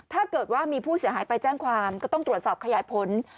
ถ้าเกิดว่ามีผู้เสียหายไปแจ้งความก็ต้องตรวจสอบขยายผล